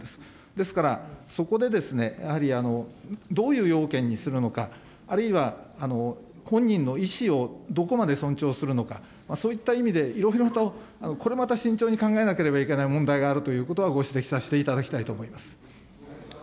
ですから、そこでですね、やはりどういう要件にするのか、あるいは、本人の意思をどこまで尊重するのか、そういった意味で、いろいろとこれまた慎重に考えなければいけない問題があるということはご指摘させていただきたいと思います。